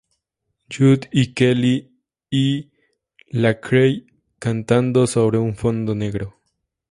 Jude, y Kelly y Lecrae cantando sobre un fondo negro.